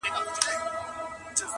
چي یو غم یې سړوم راته بل راسي٫